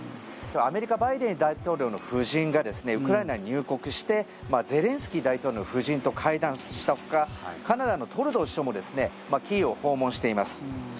アメリカ、バイデン大統領の夫人がですねウクライナに入国してゼレンスキー大統領の夫人と会談したほかカナダのトルドー首相もキーウを訪問しています。